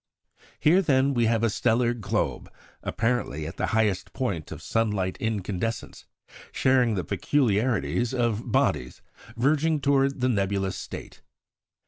Here, then, we have a stellar globe apparently at the highest point of sunlike incandescence, sharing the peculiarities of bodies verging towards the nebulous state.